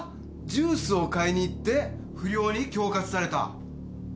ジュースを買いに行って不良に恐喝された？